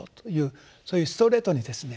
そういうストレートにですね